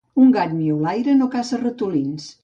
Un gat miolaire no caça ratolins.